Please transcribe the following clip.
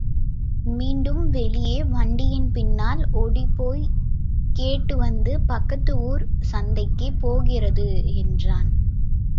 மீண்டும் வெளியே வண்டியின் பின்னால் ஒடிப்போய்க் கேட்டுவந்து பக்கத்து ஊர் சந்தைக்குப் போகிறது என்றான்.